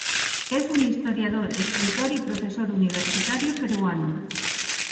Es un historiador, escritor y profesor universitario peruano.